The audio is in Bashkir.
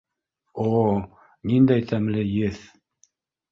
— О-о-о, ниндәй тәмле еҫ!